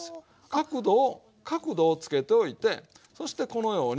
角度を角度をつけておいてそしてこのように。